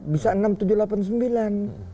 bisa enam tujuh lapan sembilan